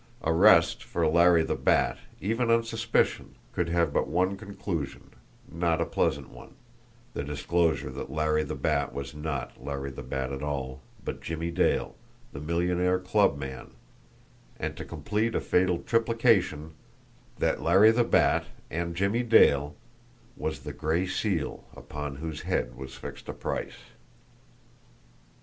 Arrest for Larry the Bat, even on suspicion, could have but one conclusion not a pleasant one the disclosure that Larry the Bat was not Larry the Bat at all, but Jimmie Dale, the millionaire club man, and, to complete a fatal triplication, that Larry the Bat and Jimmie Dale was the Gray Seal upon whose head was fixed a price!